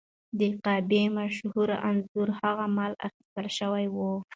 د کعبې مشهور انځور هغه مهال اخیستل شوی و.